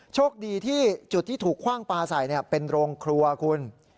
โชคดีที่จุดที่ถูกคว่างปลาใส่เป็นโรงครัวคุณ